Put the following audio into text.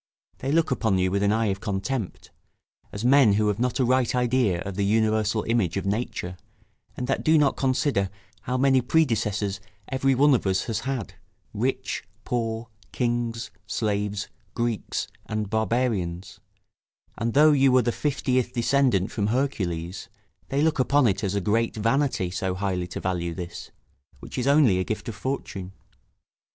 they look upon you with an eye of contempt, as men who have not a right idea of the universal image of nature, and that do not consider how many predecessors every one of us has had, rich, poor, kings, slaves, Greeks, and barbarians; and though you were the fiftieth descendant from Hercules, they look upon it as a great vanity, so highly to value this, which is only a gift of fortune.